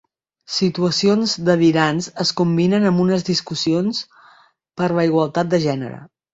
Situacions delirants es combinen amb unes discussions per la igualtat de gènere.